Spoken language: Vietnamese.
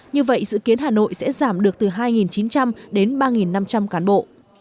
như vậy dự kiến hà nội sẽ giảm được từ hai chín trăm linh đến ba năm trăm linh cán bộ